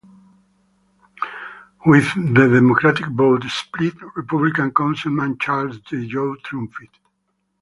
With the Democratic vote split, Republican Councilman Charles Djou triumphed.